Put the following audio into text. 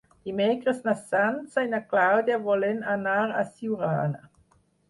Dimecres na Sança i na Clàudia volen anar a Siurana.